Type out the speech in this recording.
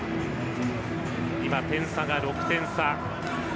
今、点差が６点差。